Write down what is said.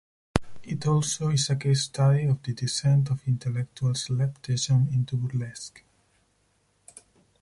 It also is a case study of the descent of intellectuals' leftism into burlesque.